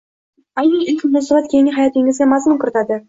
Aynan ilk munosabat keyingi hayotingizga mazmun kiritadi.